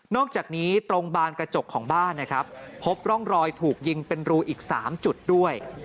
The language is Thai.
อกจากนี้ตรงบานกระจกของบ้านนะครับพบร่องรอยถูกยิงเป็นรูอีก๓จุดด้วย